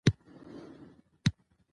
د بد دود باید له منځه یووړل سي.